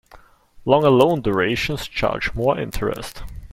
Longer loan durations charge more interest.